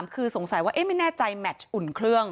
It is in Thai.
คือสงสัยว่าไม่แน่ใจแมทอุ่นเครื่อง